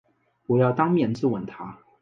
我要当面质问他